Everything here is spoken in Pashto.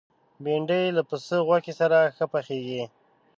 بېنډۍ له پسه غوښې سره ښه پخېږي